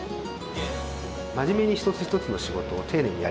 真面目に一つ一つの仕事を丁寧にやり切る。